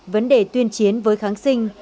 vấn đề tuyên chiến với kháng sinh